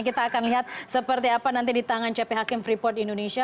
kita akan lihat seperti apa nanti di tangan cp hakim freeport indonesia